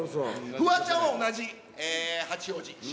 フワちゃんは同じ、八王子出